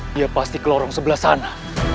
dia pasti ke lorong sebelah sana